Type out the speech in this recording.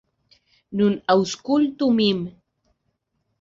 Nun aŭskultu min.